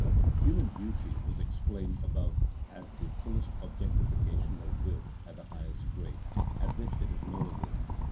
Human beauty was explained above as the fullest objectification of will at the highest grade at which it is knowable.